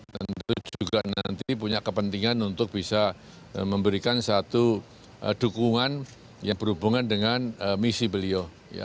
tentu juga nanti punya kepentingan untuk bisa memberikan satu dukungan yang berhubungan dengan misi beliau